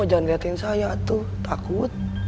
jangan lihatin saya tuh takut